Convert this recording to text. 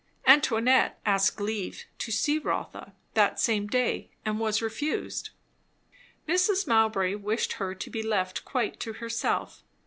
Antoinette asked leave to see Rotha, that same day, and was refused. Mrs. Mowbray wished her to be left quite to herself.